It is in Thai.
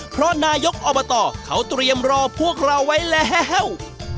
เพราะนายกอบตเขาเตรียมรอพวกเราไว้แล้ว